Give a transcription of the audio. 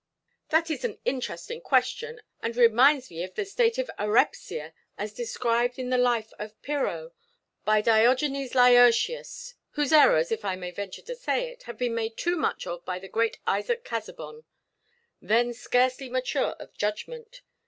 "That is an interesting question, and reminds me of the state of ἀῤῥεψία as described in the life of Pyrrho by Diogenes Laertius; whose errors, if I may venture to say it, have been made too much of by the great Isaac Casaubon, then scarcely mature of judgment.